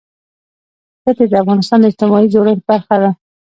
ښتې د افغانستان د اجتماعي جوړښت برخه ده.